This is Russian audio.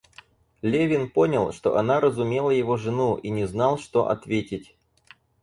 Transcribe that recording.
Левин понял, что она разумела его жену, и не знал, что ответить.